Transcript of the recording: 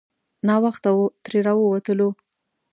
ناوخته وو ترې راووتلو.